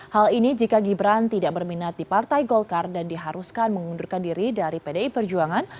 hal ini jika gibran tidak berminat di partai golkar dan diharuskan mengundurkan diri dari pdi perjuangan